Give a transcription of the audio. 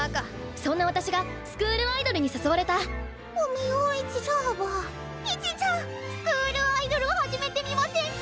そんな私がスクールアイドルに誘われたスクールアイドルを始めてみませんか？